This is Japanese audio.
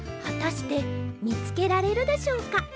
はたしてみつけられるでしょうか？